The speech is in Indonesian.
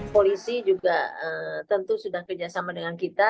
polisi juga tentu sudah kerjasama dengan kita